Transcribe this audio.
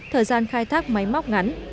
thời gian khai thác máy móc